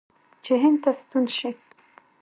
چې هند ته ستون شي.